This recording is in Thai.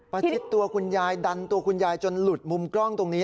ประชิดตัวคุณยายดันตัวคุณยายจนหลุดมุมกล้องตรงนี้